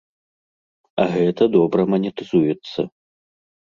А гэта добра манетызуецца.